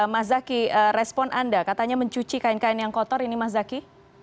mas zaky respon anda katanya mencuci kain kain yang kotor ini mas zaky